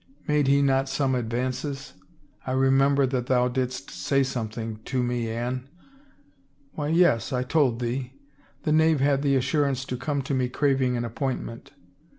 Made he not some ad vances? I remember that thou didst say something, to me, Anne —"" Why, yes, I told thee. The knave had the assurance to come to me craving an appointment."